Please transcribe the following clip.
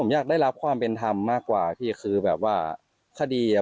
ผมอยากได้รับความเป็นธรรมมากกว่าพี่คือแบบว่าคดีอ่ะ